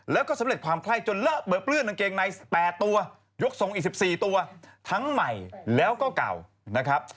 แล้วก็สำเร็จความไข้จนเลอะเบิลกางเกงใน๘ตัวยกทรงอีก๑๔ตัวทั้งใหม่แล้วก็เก่านะครับ